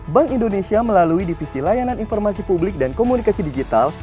bank indonesia melalui divisi layanan informasi publik dan komunikasi digital